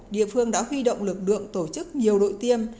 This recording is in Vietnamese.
địa phương đã huy động lực lượng tổ chức nhiều đội tiêm